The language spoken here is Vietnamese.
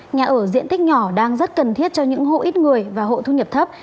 nhà ở diện tích nhỏ đang rất cần thiết cho những hộ ít người và hộ thu nhập thấp